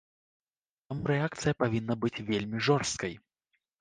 Таму рэакцыя павінна быць вельмі жорсткай.